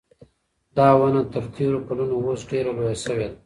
دا ونه تر تېرو کلونو اوس ډېره لویه شوې ده.